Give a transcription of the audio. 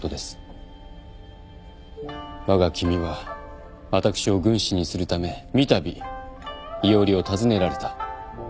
わが君は私を軍師にするため三度庵を訪ねられた。